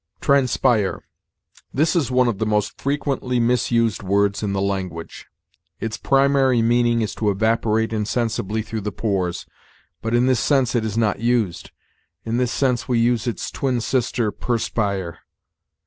TRANSPIRE. This is one of the most frequently misused words in the language. Its primary meaning is to evaporate insensibly through the pores, but in this sense it is not used; in this sense we use its twin sister _per_spire.